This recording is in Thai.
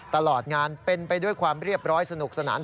ตลอดงานเป็นไปด้วยความเรียบร้อยสนุกสนาน